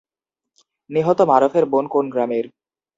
নিহত মারুফার বোন কোন গ্রামের?